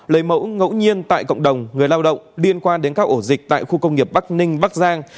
lấy mẫu ngẫu nhiên tại cộng đồng người lao động liên quan đến các ổ dịch tại khu công nghiệp bắc ninh bắc giang